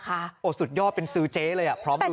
ประทับสุดยอดเป็นซูเจะเลยค่ะ